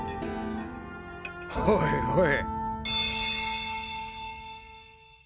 おいおい。